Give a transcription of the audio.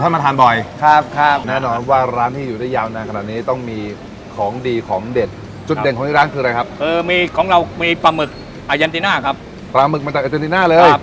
มันจะต่างกับของเกาหลีของญี่ปุ่น